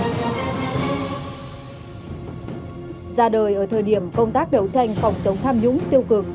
ra đời ở thời điểm công tác đấu tranh phòng chống tham nhũng tiêu cực